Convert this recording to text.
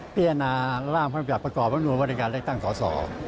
พิจารณาร่างพันธุ์แบบประกอบคำนวณวรรดิการและตั้งขอสอ